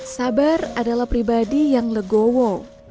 sabar adalah pribadi yang legowo